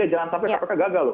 jangan sampai kpk gagal loh